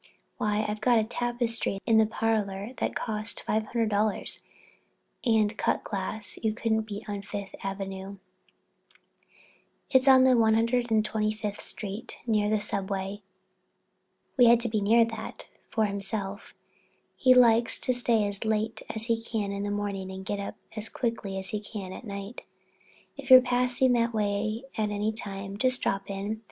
Why, I've got a tapestry in the parlor that cost five hundred dollars and cut glass you couldn't beat on Fifth Avenue. It's on 125th Street, near the Subway. We had to be near that for Himself—he likes to stay as late as he can in the morning and get up as quick as he can at night. If you're passing that way any time, just drop in.